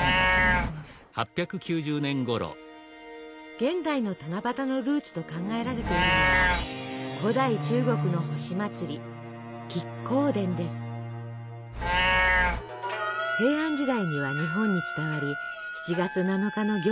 現代の七夕のルーツと考えられているのは古代中国の星祭り平安時代には日本に伝わり７月７日の行事に取り入れられます。